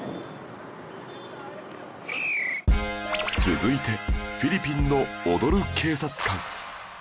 続いてフィリピンの踊る警察官